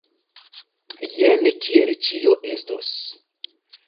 Jen kiel ĉio estos.